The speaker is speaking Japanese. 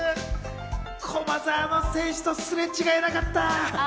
駒澤の選手とすれ違えなかった。